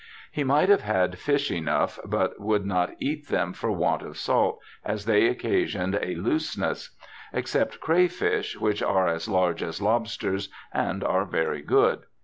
He might have had fish enough, but would not eat them for want of salt, as they occasioned a looseness ; except crayfish, which are as large as lobsters and are very good.